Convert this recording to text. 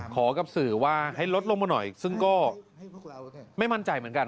กับสื่อว่าให้ลดลงมาหน่อยซึ่งก็ไม่มั่นใจเหมือนกัน